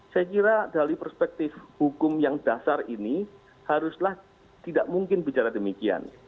saya kira dari perspektif hukum yang dasar ini haruslah tidak mungkin bicara demikian